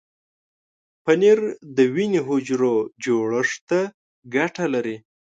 پنېر د وینې حجرو جوړښت ته ګټه لري.